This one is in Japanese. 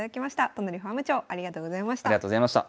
都成ファーム長ありがとうございました。